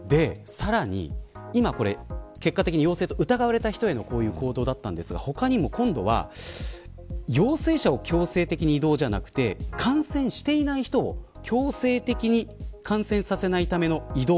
さらに、今これ結果的に陽性と疑われた人への行動だったんですが他にも今度は陽性者を強制的に移動じゃなくて感染していない人を強制的に、感染させないための移動。